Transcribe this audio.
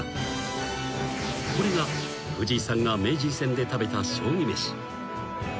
［これが藤井さんが名人戦で食べた将棋めし］